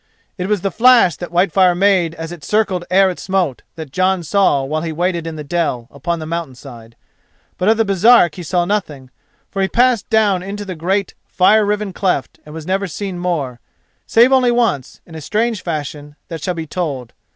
It was the flash that Whitefire made as it circled ere it smote that Jon saw while he waited in the dell upon the mountain side. But of the Baresark he saw nothing, for he passed down into the great fire riven cleft and was never seen more, save once only, in a strange fashion that shall be told.